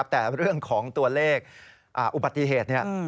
แต่เรื่องของตัวเลขอุบัติเหตุ